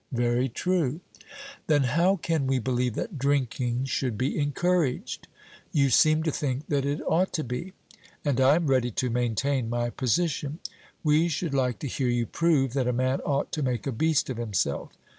'Very true.' Then how can we believe that drinking should be encouraged? 'You seem to think that it ought to be.' And I am ready to maintain my position. 'We should like to hear you prove that a man ought to make a beast of himself.'